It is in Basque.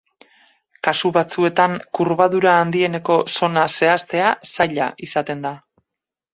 Kasu batzuetan kurbadura handieneko zona zehaztea zaila izaten da.